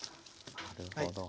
なるほど。